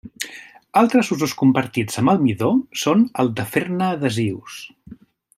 Altres usos compartits amb el midó són el de fer-ne adhesius.